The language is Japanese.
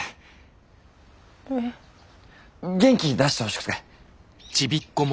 元気出してほしくて。